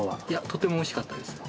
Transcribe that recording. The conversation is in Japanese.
とてもおいしかったです。